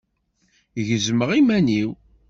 Gezmeɣ iman-iw.